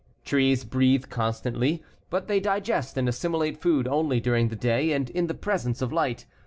Trees breathe constantly, but they digest and assimilate food only during the day and in the presence of light.